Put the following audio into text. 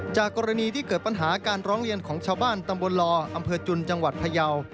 จากกรณีที่เกิดปัญหาการร้องเรียนของชาวบ้านตำบลลออำเภอจุนจังหวัดพยาว